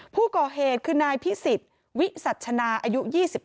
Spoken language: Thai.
ผู้ก่อเหตุคือนายพิสิทธิ์วิสัชนาอายุ๒๓